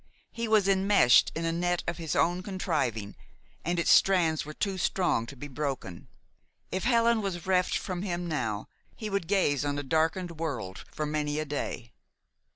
He was enmeshed in a net of his own contriving, and its strands were too strong to be broken. If Helen was reft from him now, he would gaze on a darkened world for many a day.